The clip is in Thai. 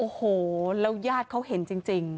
โอ้โหแล้วญาติเขาเห็นจริง